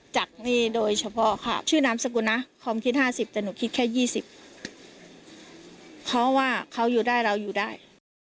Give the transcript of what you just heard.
จากนี่โดยเฉพาะค่ะชื่อนามสกุลนะความคิด๕๐แต่หนูคิดแค่๒๐เพราะว่าเขาอยู่ได้เราอยู่ได้